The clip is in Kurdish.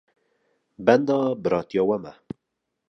Benda biratiya we me.